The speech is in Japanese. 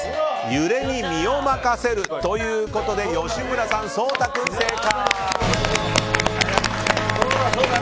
揺れに身を任せるということで吉村さん、颯太君、正解。